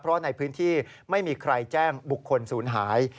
เพราะในพื้นที่ไม่มีใครแจ้งบุคคลศูนย์หาย